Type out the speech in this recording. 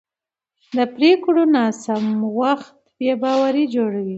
د پرېکړو ناسم وخت بې باوري جوړوي